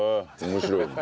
面白いね。